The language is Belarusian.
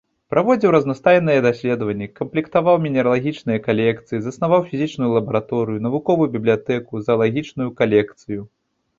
Праводзіў разнастайныя даследаванні, камплектаваў мінералагічныя калекцыі, заснаваў фізічную лабараторыю, навуковую бібліятэку, заалагічную калекцыю.